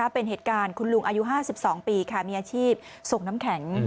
เป็นเหตุการณ์คุณลุงอายุ๕๒ปีมีอาชีพส่งน้ำแข็ง